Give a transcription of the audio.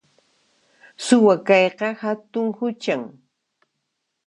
Suwa kayqa hatun huchan